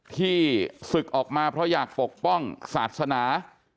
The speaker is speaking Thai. ที่ศึกออกมาเพราะอยากปกป้องศาสนา